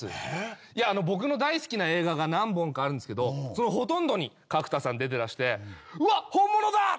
いや僕の大好きな映画が何本かあるんですけどそのほとんどに角田さん出てらしてうわっ本物だ！